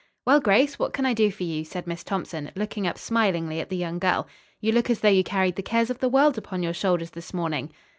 "Well, Grace, what can I do for you?" said Miss Thompson, looking up smilingly at the young girl. "You look as though you carried the cares of the world upon your shoulders this morning."